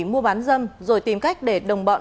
mua bán dâm rồi tìm cách để đồng bọn